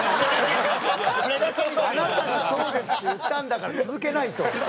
あなたが「そうです」って言ったんだから続けないと。